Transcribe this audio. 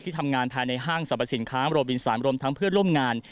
ทำงานภายในห้างสรรพสินค้าโรบินสารรวมทั้งเพื่อนร่วมงาน